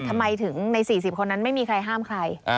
ทำไมถึงใน๔๐คนนั้นไม่มีใครห้ามใคร